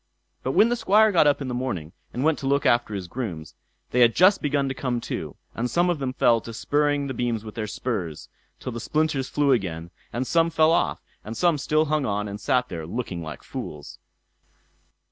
But when the Squire got up in the morning, and went to look after his grooms, they had just begun to come to; and some of them fell to spurring the beams with their spurs, till the splinters flew again, and some fell off, and some still hung on and sat there looking like fools.